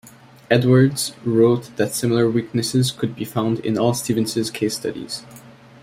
Edwards wrote that similar weaknesses could be found in all Stevenson's case studies.